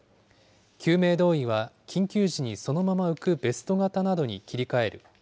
救命胴衣は緊急時にそのまま浮くベスト型などに切り替える。